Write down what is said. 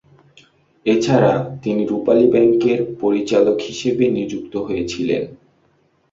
এছাড়া, তিনি রূপালী ব্যাংকের পরিচালক হিসেবে নিযুক্ত হয়েছিলেন।